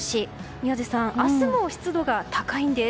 宮司さん明日も湿度が高いんです。